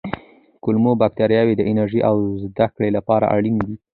کولمو بکتریاوې د انرژۍ او زده کړې لپاره اړینې دي.